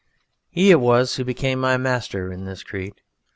He it was who became my master in this creed.